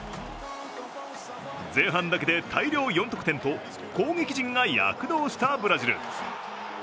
前半だけで大量４得点と攻撃陣が躍動したブラジル。